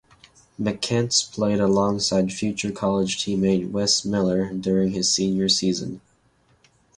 McCants played alongside future college teammate Wes Miller during his senior season.